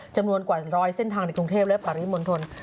จำนวนกว่า๑๐๐เส้นทางในกรุงเทพและปริมณฑล